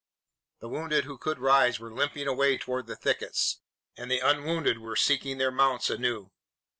The wounded who could rise were limping away toward the thickets, and the unwounded were seeking their mounts anew.